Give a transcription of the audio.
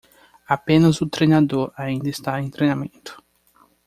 Apenas o treinador ainda está em treinamento